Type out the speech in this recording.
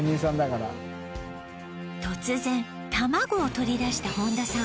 突然卵を取り出した本田さん